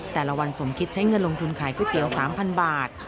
แต่ละวันสมคิดใช้เงินลงทุนขายก๋วยเตี๋ยว๓๐๐บาท